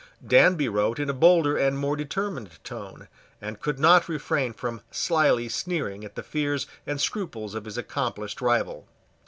Danby wrote in a bolder and more determined tone, and could not refrain from slily sneering at the fears and scruples of his accomplished rival.